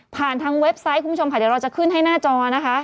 ทางเว็บไซต์คุณผู้ชมค่ะเดี๋ยวเราจะขึ้นให้หน้าจอนะคะ